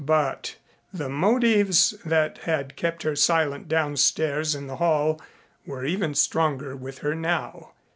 But the motives that had kept her silent downstairs in the hall were even stronger with her now.